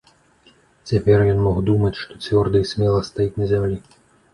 Цяпер ён мог думаць, што цвёрда і смела стаіць на зямлі.